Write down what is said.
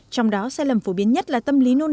trong đó sai lầm phổ biến nhất là tâm lý nôn nóng